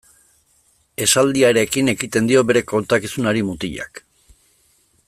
Esaldiarekin ekiten dio bere kontakizunari mutilak.